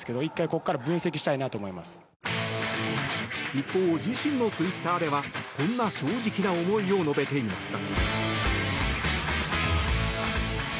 一方、自身のツイッターではこんな正直な思いを述べていました。